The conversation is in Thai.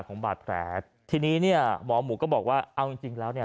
ของบาดแผลทีนี้เนี่ยหมอหมูก็บอกว่าเอาจริงจริงแล้วเนี่ย